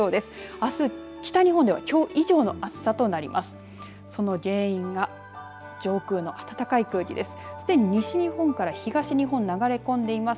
あす、北日本ではきょう以上の暑さとなります。